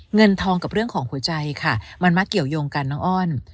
เงินทองกับเรื่องของหัวใจค่ะมันมาเกี่ยวยงกันน้องอ้อน